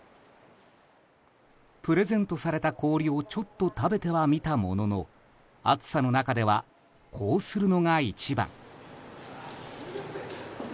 プレゼントされた氷をちょっと食べてはみたものの暑さの中ではこうするのが一番。